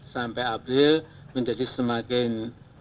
sampai april menjadi semakin